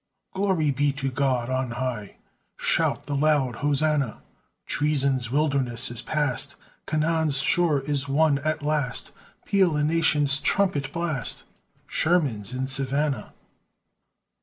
Glory be to God on high! Shout the loud Hosanna! Treason's wilderness is past, Canaan's shore is won at last, Peal a nation's trumpet blast, Sherman's in Savannah!